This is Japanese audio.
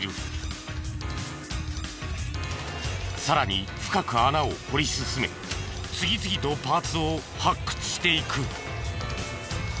さらに深く穴を掘り進め次々とパーツを発掘していく。